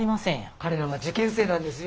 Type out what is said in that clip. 彼らは受験生なんですよ？